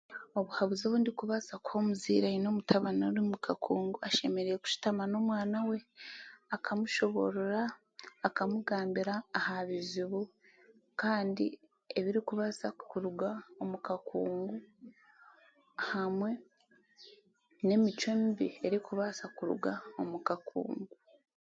Obuhabuzi obundikubaasa kuha omuzaire oine omutabani ori omu kakungu ashemereire kushitama n'omwana we akamushoboorora akumugambira aha bizibu kandi ebirikubaasa kuruga omu kakungu hamwe n'emicwe mibi erikubaasa kuruga omu kakungu.